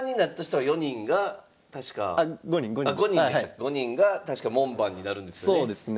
５人が確か門番になるんですよね？